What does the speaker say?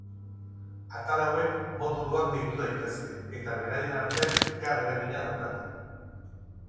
Atal hauek moduluak deitu daitezke, eta beraien artean elkar-eragina daukate.